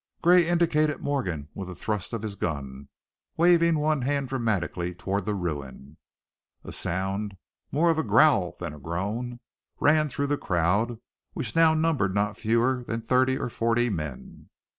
Gray indicated Morgan with a thrust of his gun, waving one hand dramatically toward the ruin. A sound, more a growl than a groan, ran through the crowd, which now numbered not fewer than thirty or forty men.